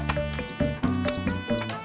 betul bang harun